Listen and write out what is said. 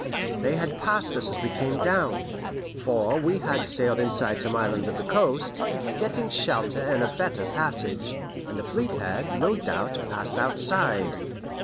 They had passed us as we came down, for we had sailed inside some islands of the coast, getting shelter and better passage, and the fleet had, no doubt, passed outside.